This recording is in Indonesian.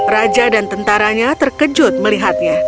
raja dan tentaranya terkejut melihatnya